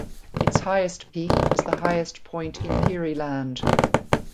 Its highest peak is the highest point in Peary Land.